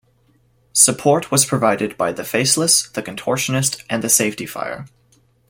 Support was provided by The Faceless, The Contortionist, and The Safety Fire.